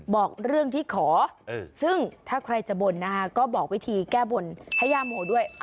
บอกเรื่องที่ขอซึ่งถ้าใครจะบ่นนะคะก็บอกวิธีแก้บนให้ย่าโมด้วย